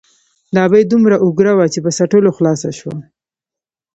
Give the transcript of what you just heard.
ـ د ابۍ دومره اګوره وه ،چې په څټلو خلاصه شوه.